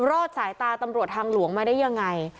รอดสายตาตำรวจทางหลวงมาได้ยังไง